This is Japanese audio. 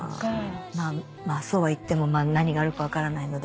まあそうは言っても何があるか分からないので。